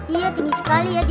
iya tinggi sekali ya dia